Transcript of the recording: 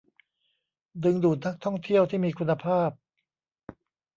ดึงดูดนักท่องเที่ยวที่มีคุณภาพ